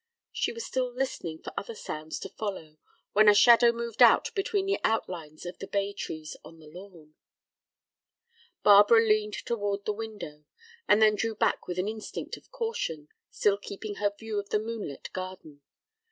She was still listening for other sounds to follow when a shadow moved out between the outlines of the bay trees on the lawn. Barbara leaned toward the window, and then drew back with an instinct of caution, still keeping her view of the moonlit garden.